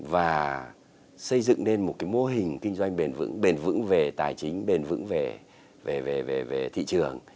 và xây dựng nên một cái mô hình kinh doanh bền vững bền vững về tài chính bền vững về thị trường